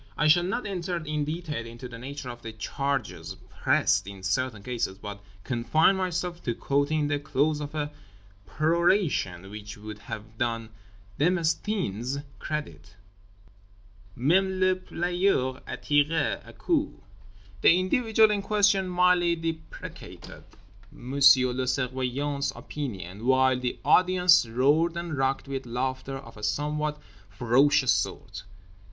I shall not enter in detail into the nature of the charges pressed in certain cases, but confine myself to quoting the close of a peroration which would have done Demosthenes credit: "Même le balayeur a tiré un coup!" The individual in question mildly deprecated M. le Surveillant's opinion, while the audience roared and rocked with laughter of a somewhat ferocious sort.